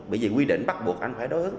bởi vì quy định bắt buộc anh phải đối ứng